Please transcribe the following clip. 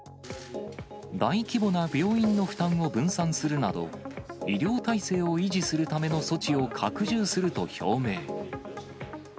大規模な病院の負担を分散するなど、医療体制を維持するための措置を拡充すると表明。